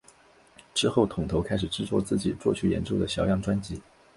之后桶头开始制作自己作曲演奏的小样专辑。